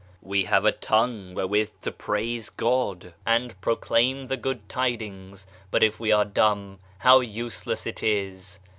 We have a tongue wherewith to praise God and pro claim the good tidings, but if we are dumb how useless it is!